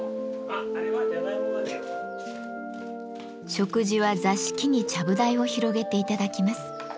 食事は座敷にちゃぶ台を広げて頂きます。